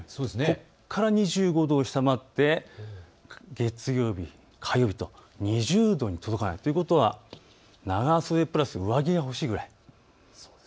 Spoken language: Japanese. ここから２５度を下回って月曜日、火曜日と２０度に届かない、ということは長袖プラス上着が欲しいくらいです。